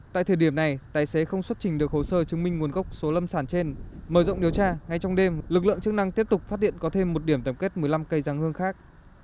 tại thời điểm này tài xế không xuất trình được hồ sơ chứng minh nguồn gốc số lâm sản trên mở rộng điều tra ngay trong đêm lực lượng chức năng tiếp tục phát hiện có thêm một điểm tổng kết một mươi năm cây giáng hương khác